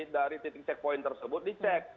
dari titik checkpoint tersebut dicek